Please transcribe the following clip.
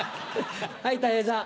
はいたい平さん。